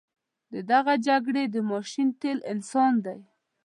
د دغه جګړې د ماشین تیل انسان دی.